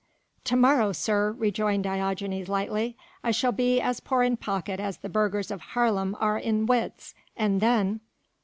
"To morrow, sir," rejoined Diogenes lightly, "I shall be as poor in pocket as the burghers of Haarlem are in wits, and then...."